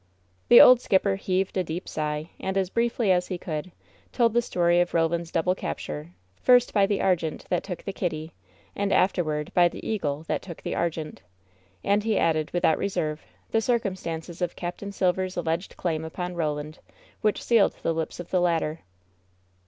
The old skipper heaved a deep sigh, and as briefly as he could, told the story of Roland's double capture, first by the Argente, that took the Kitty, and afterward by the Eagle, that took the Argente, and he added, without reserve, the circumstances of Capt. Silver's alleged claim upon Roland, which sealed the lips of the latter.